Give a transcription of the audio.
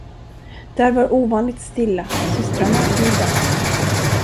Där var ovanligt stilla, systrarna åt middag.